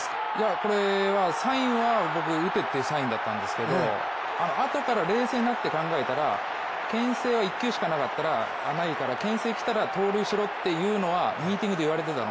これはサインは僕打てってサインだったんですけどあとから冷静になって考えたらけん制は１球しかないからけん制がきたら盗塁しろっていうのはミーティングで言われてたの。